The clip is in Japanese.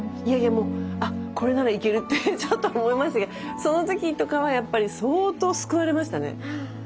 いやいやもうあっこれならいけるってちょっと思いましたけどその時とかはやっぱり相当救われましたね。